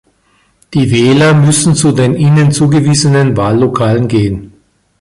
Die Wähler müssen zu den ihnen zugewiesenen Wahllokalen gehen.